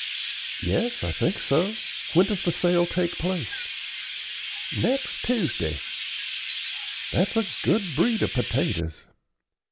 "Yes, I think so. When does the sale take place?" "Next Tuesday. That's a good breed of potatoes.